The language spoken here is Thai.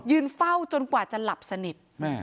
เฝ้าจนกว่าจะหลับสนิท